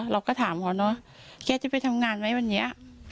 เราก็ถามเขาเนอะแกจะไปทำงานไหมวันนี้